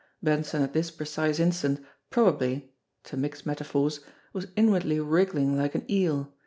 Benson at this precise instant probably to mix metaphors was inwardly wriggling like an eel.